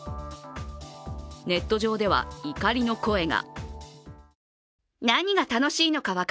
ネット上では怒りの声が。